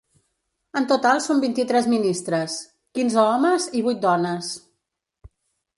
En total són vint-i-tres ministres: quinze homes i vuit dones.